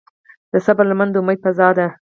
د صبر لمن د امید فضا ده.